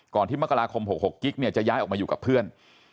ที่มกราคม๖๖กิ๊กเนี่ยจะย้ายออกมาอยู่กับเพื่อน